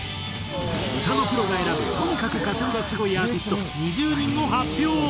歌のプロが選ぶとにかく歌唱がスゴいアーティスト２０人を発表！